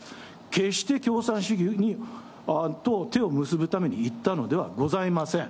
決して共産主義と手を結ぶために行ったのではございません。